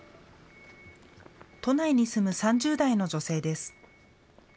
都内に住む３０代の女性です。